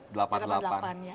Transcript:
berlatih orgel sesudah itu ya